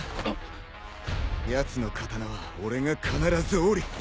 やつの刀は俺が必ず折る。